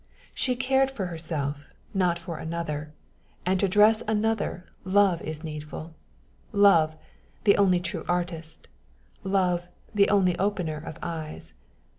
She cared for herself, not for another; and to dress another, love is needful love, the only true artist love, the only opener of eyes.